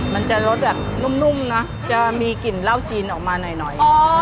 มันจะรสแบบนุ่มเนอะจะมีกลิ่นเหล้าจีนออกมาหน่อย